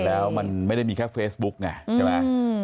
แล้วมันไม่ได้มีแค่เฟซบุ๊กไงใช่ไหม